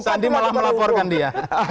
sandi malah melaporkan dia